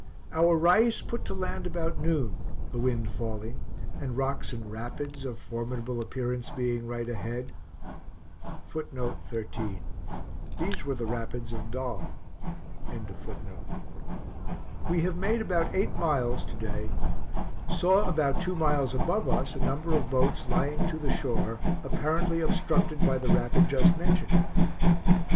Our Rais put to land about noon, the wind falling, and rocks and rapids of formidable appearance being right ahead. We have made about eight miles to day. Saw about two miles above us a number of boats lying to the shore, apparently obstructed by the rapid just mentioned.